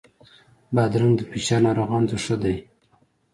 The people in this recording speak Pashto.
بادرنګ د فشار ناروغانو ته ښه دی.